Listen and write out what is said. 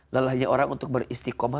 lelahnya orang untuk beristikamah